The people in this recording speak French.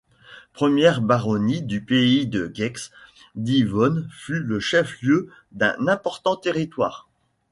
Première baronnie du Pays de Gex, Divonne fut le chef-lieu d'un important territoire.